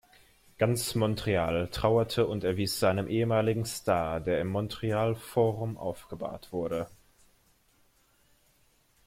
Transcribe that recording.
Ganz Montreal trauerte und erwies seinem ehemaligen Star, der im Montreal Forum aufgebahrt wurde.